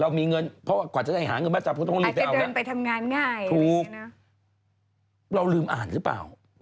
เรามีเงินเพราะกว่าจะได้หาเงินมาจากโรงเรียนไปเอาเนี่ย